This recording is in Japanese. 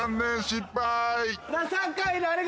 失敗！